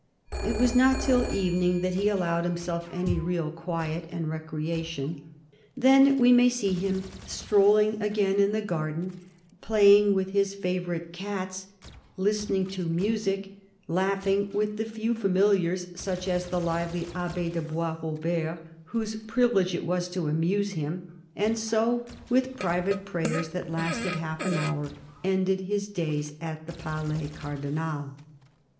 It was not till evening that he allowed himself any real quiet and recreation. Then we may see him strolling again in the garden, playing with his favourite cats, listening to music, laughing with the few familiars, such as the lively Abbe de Boisrobert, whose privilege it was to amuse him ; and so, with private prayers that lasted half an hour, ended his days at the Palais Cardinal.